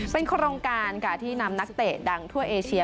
เป็นโครงการค่ะที่นำนักเตะดังทั่วเอเชีย